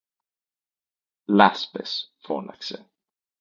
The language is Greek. Λάσπες! φώναξε